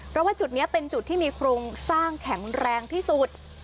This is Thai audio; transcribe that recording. เพราะว่าจุดนี้เป็นจุดที่มีโครงสร้างแข็งแรงที่สุด